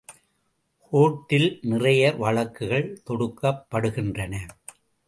கோர்ட்டில் நிறைய வழக்குகள் தொடுக்கப் படுகின்றன.